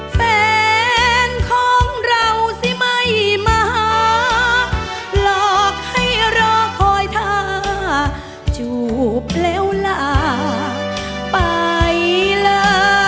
แฟนของเราสิไม่มาหาหลอกให้รอคอยท่าจูบแล้วลาไปลา